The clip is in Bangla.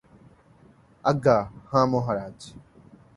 আজ্ঞা হাঁ মহারাজ।